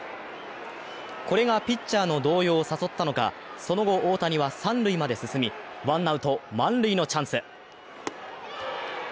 これがピッチャーの動揺を誘ったのか、その後、大谷は三塁まで進み、ワンアウト満塁のチャンス。